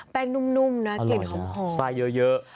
แป้งนุ่มนะกลิ่นหอมอร่อยนะใส่เยอะ